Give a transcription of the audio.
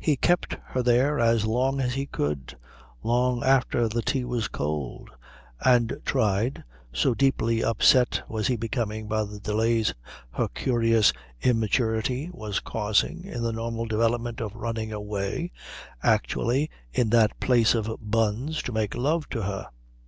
He kept her there as long as he could, long after the tea was cold, and tried, so deeply upset was he becoming by the delays her curious immaturity was causing in the normal development of running away, actually in that place of buns to make love to her.